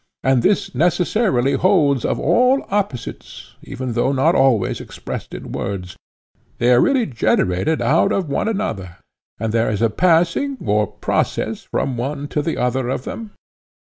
And this necessarily holds of all opposites, even though not always expressed in words—they are really generated out of one another, and there is a passing or process from one to the other of them?